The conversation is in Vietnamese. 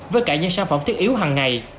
với cả những sản phẩm thiết yếu hằng ngày